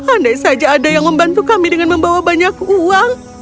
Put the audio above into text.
andai saja ada yang membantu kami dengan membawa banyak uang